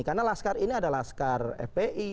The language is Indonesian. karena laskar ini adalah laskar fpi